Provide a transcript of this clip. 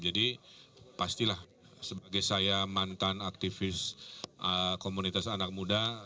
jadi pastilah sebagai saya mantan aktivis komunitas anak muda